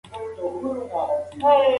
د بازار تریخوالی په دې کلي کې نشته.